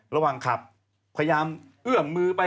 ระหว่างขับพยายามเอื้อมมือไป